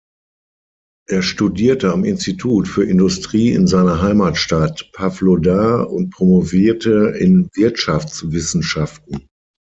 Er studierte am Institut für Industrie in seiner Heimatstadt Pawlodar und promovierte in Wirtschaftswissenschaften.